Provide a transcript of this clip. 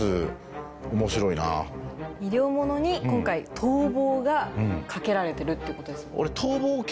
医療ものに今回逃亡が掛けられてるってことですもんね。